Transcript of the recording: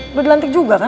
udah dilantik juga kan